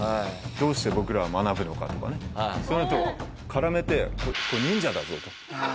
「どうして僕らは学ぶのか？」とかねそういうのと絡めて「忍者だぞ」と。